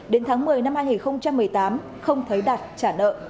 đến tháng một mươi năm hai nghìn một mươi tám không thấy đạt trả nợ